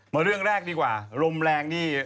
เรื่องแรกดีกว่าลมแรงนี่